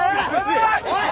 おい！